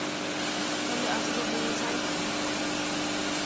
Kale asikopirun sait age.